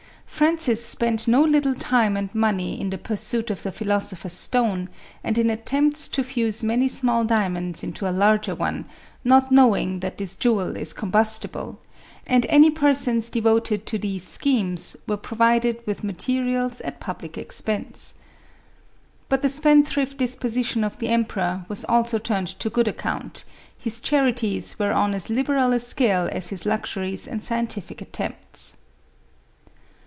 Francis spent no little time and money in the pursuit of the philosopher's stone, and in attempts to fuse many small diamonds into a largo one, not knowing that this jewel is combustible ; and any per sons, devoted to these schemes, were provided with materials at public expense. But the spendthrift dis position of the emperor was also turned to good ac count; his charities were on as liberal a scale as his luxuries and scientific attempts.